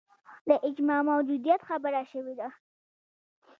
د اجماع موجودیت خبره شوې ده